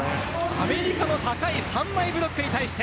アメリカの高い３枚ブロックに対して。